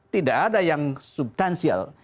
tidak ada yang subtansial